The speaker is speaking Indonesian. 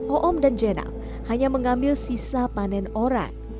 oom dan jenal hanya mengambil sisa panen orang